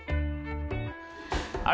あれ？